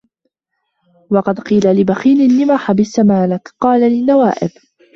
وَقَدْ قِيلَ لِبَخِيلٍ لِمَ حَبَسْتَ مَالَك ؟ قَالَ لِلنَّوَائِبِ